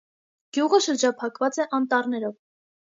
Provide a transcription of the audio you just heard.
Գյուղը շրջափակված է անտառներով։